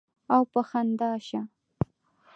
او پۀ خندا شۀ ـ